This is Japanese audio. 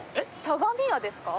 相模屋ですか？